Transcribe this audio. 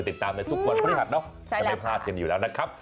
ติดตามในทุกวันพฤหัสเนาะจะได้พลาดกันอยู่แล้วนะครับ